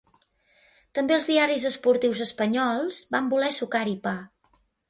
També els diaris esportius espanyols van voler sucar-hi pa.